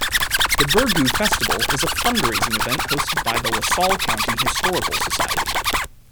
The Burgoo Festival is a fundraising event hosted by the LaSalle County Historical Society.